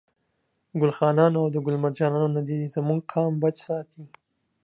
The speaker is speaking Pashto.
ګل خانانو او ده ګل مرجانو نه دي زموږ قام بچ ساتي.